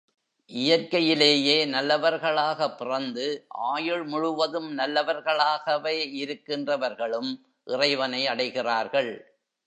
இயற்கையிலேயே நல்லவர்களாக பிறந்து, ஆயுள் முழுவதும் நல்லவர்களாகவே இருக்கின்றவர்களும் இறைவனை அடைகிறார்கள்.